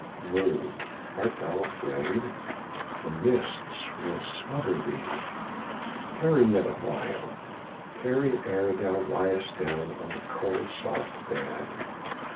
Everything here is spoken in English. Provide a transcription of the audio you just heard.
Moon! art not afraid? the mists will smother thee! Tarry yet awhile! tarry ere thou layest down on the cold, soft bed!